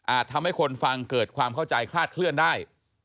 ทำให้คนฟังเกิดความเข้าใจคลาดเคลื่อนได้